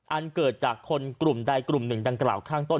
อันเกิดจากคนกลุ่มใดกลุ่มหนึ่งดังกล่าวข้างต้น